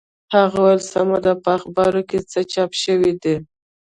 هغه وویل سمه ده په اخبارو کې څه چاپ شوي دي.